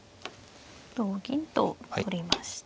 同銀と取りました。